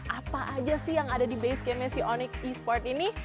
apa aja sih yang ada di basecampnya si onyx e sports ini